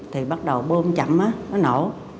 thì bắt đầu bom chậm á nó nổ